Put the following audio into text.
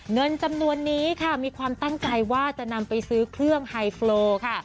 เงินจำนวนนี้ค่ะมีความตั้งใจว่าจะนำไปซื้อเครื่องไฮโฟลค่ะ